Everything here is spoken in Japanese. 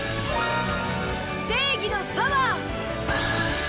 正義のパワー！